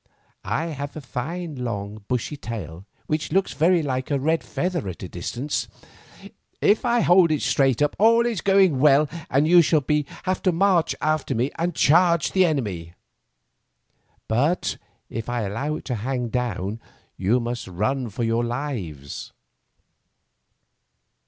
I have a fine long bushy tail which looks very like a red feather at a distance. If I hold it straight up all is going well, and you are to march after me and charge the enemy. But if I allow it to hang down you must run for your lives."